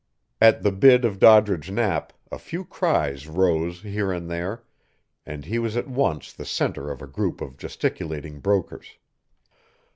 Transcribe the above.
At the bid of Doddridge Knapp a few cries rose here and there, and he was at once the center of a group of gesticulating brokers.